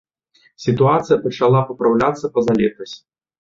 Сітуацыя пачала папраўляцца пазалетась.